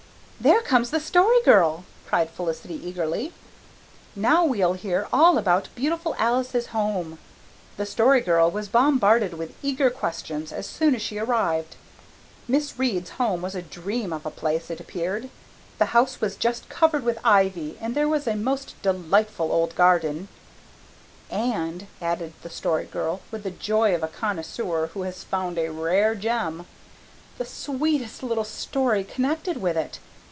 "There comes the Story Girl," cried Cecily eagerly. "Now we'll hear all about Beautiful Alice's home." The Story Girl was bombarded with eager questions as soon as she arrived. Miss Reade's home was a dream of a place, it appeared. The house was just covered with ivy and there was a most delightful old garden "and," added the Story Girl, with the joy of a connoisseur who has found a rare gem, "the sweetest little story connected with it.